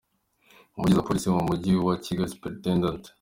Umuvugizi wa Polisi mu mujyi wa Kigali, Supt.